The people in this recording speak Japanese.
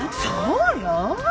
そうよ。